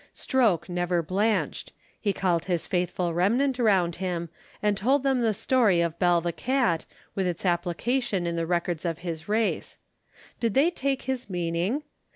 Stroke never blanched. He called his faithful remnant around him, and told them the story of Bell the Cat, with its application in the records of his race. Did they take his meaning?